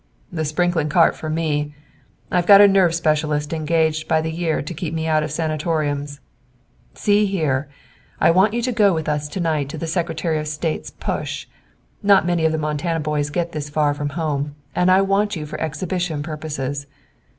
"The sprinkling cart for me! I've got a nerve specialist engaged by the year to keep me out of sanatoriums. See here, I want you to go with us to night to the Secretary of State's push. Not many of the Montana boys get this far from home, and I want you for exhibition purposes.